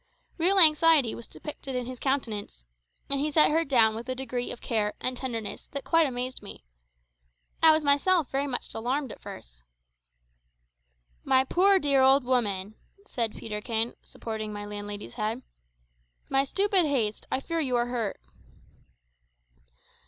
Real anxiety was depicted in his countenance, and he set her down with a degree of care and tenderness that quite amazed me. I was myself very much alarmed at first. "My poor dear old woman," said Peterkin, supporting my landlady's head; "my stupid haste I fear you are hurt."